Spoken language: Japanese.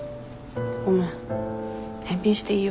ごめん返品していいよ。